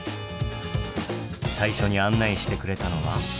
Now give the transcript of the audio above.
最初に案内してくれたのは。